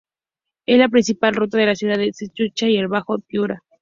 Es la principal ruta a la ciudad de Sechura y el bajo Piura.